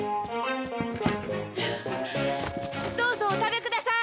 どうぞお食べください。